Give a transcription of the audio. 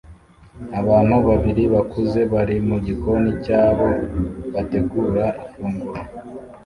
Abantu babiri bakuze bari mu gikoni cyabo bategura ifunguro